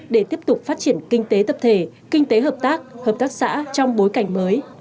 để tiếp tục phát triển kinh tế tập thể kinh tế hợp tác hợp tác xã trong bối cảnh mới